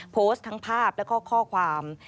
โพสต์ทั้งภาพแล้วก็ข้อความ